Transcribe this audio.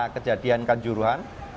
kejadian kan juruhan